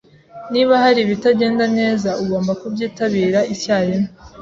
Niba hari ibitagenda neza, ugomba kubyitabira icyarimwe.